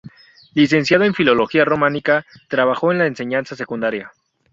Licenciado en Filología Románica, trabajó en la enseñanza secundaria.